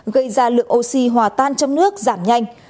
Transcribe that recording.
gây ra lượng oxy hòa tan trong nước giảm nhanh